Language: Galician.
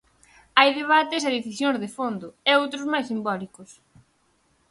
Hai debates e decisións de fondo, e outros máis simbólicos.